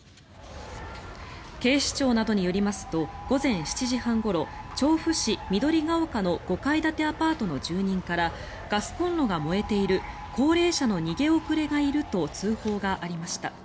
警視庁などによりますと午前７時半ごろ調布市緑ケ丘の５階建てアパートの住人からガスコンロが燃えている高齢者の逃げ遅れがいると通報がありました。